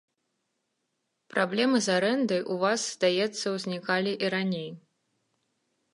Праблемы з арэндай у вас, здаецца, узнікалі і раней.